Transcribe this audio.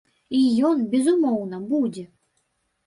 І ён, безумоўна, будзе.